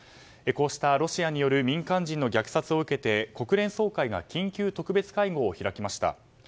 こうしたロシアによる民間人の虐殺を受けて国連総会が緊急特別会合を開きました。